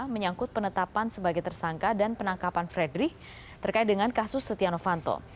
menyangkut penetapan sebagai tersangka dan penangkapan fredrik terkait dengan kasus setia novanto